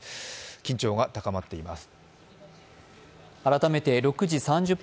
緊張が高まっています。